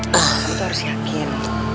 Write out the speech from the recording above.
kamu tuh harus yakin